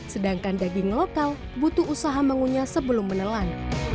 sedangkan daging lokal butuh usaha mengunyah sebelum menelan